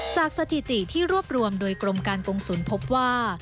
สถิติที่รวบรวมโดยกรมการกงศูนย์พบว่า